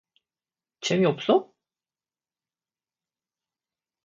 재미 없어?